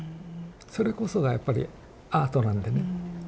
それこそがやっぱりアートなんでね。